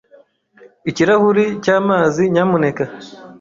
Ikirahuri cyamazi, nyamuneka.